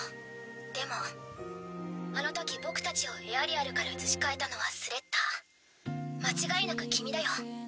でもあのとき僕たちをエアリアルから移し替えたのはスレッタ間違いなく君だよ。